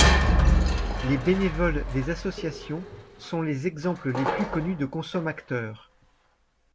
Les bénévoles des associations sont les exemples les plus connus de consommacteurs.